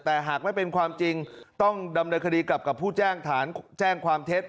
แต่หากไม่เป็นความจริงต้องดำเนินคดีกลับกับผู้แจ้งฐานแจ้งความเท็จ